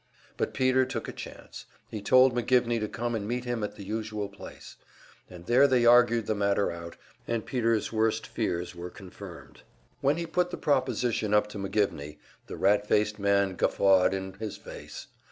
But Peter took a chance; he told McGivney to come and meet him at the usual place; and there they argued the matter out, and Peter's worst fears were confirmed. When he put the proposition up to McGivney, the rat faced man guffawed in his face.